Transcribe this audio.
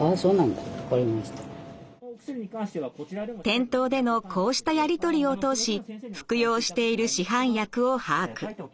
店頭でのこうしたやり取りを通し服用している市販薬を把握。